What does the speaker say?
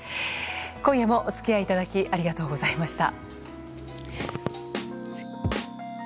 今夜もお付き合いいただきありがとうございました。